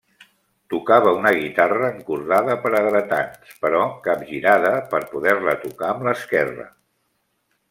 Tocava una guitarra encordada per a dretans, però capgirada per poder-la tocar amb l'esquerra.